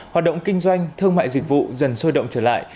hoạt động kinh doanh thương mại dịch vụ dần sôi động trở lại